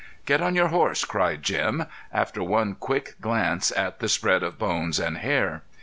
"Get on your horse!" cried Jim after one quick glance at the spread of bones and hair.